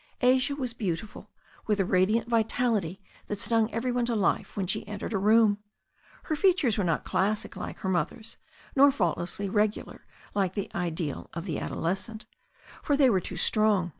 Asia was beautiful with a radiant vitality that stung every one to life when she entered a room. Her features were not classic like her mother's, nor faultlessly regular like the ideal of the adolescent, for they were too strong.